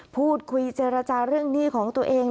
พูดคุยเจรจาเรื่องหนี้ของตัวเอง